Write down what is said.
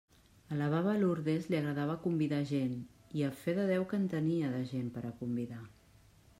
A la baba Lourdes li agradava convidar gent i, a fe de Déu que en tenia, de gent per a convidar.